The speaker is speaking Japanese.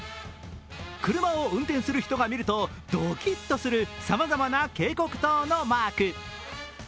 車を運転する人が見ると、ドキッとするさまざまな警告灯のマーク。